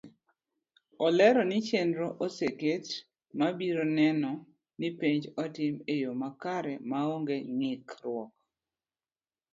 Olero ni chenro oseket mabiro neno ni penj otim eyo makre maonge ngikruok.